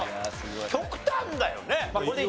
極端だよね。